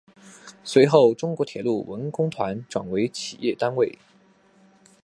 随后中国铁路文工团转为企业单位。